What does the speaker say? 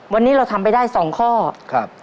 วันนี้เราทำไปได้สองข้อครับ